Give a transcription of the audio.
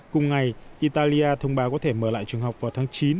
cùng ngày italia thông báo có thể mở lại trường học vào tháng chín